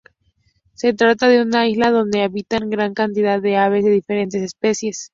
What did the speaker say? Se trata de una isla donde habitan gran cantidad de aves de diferentes especies.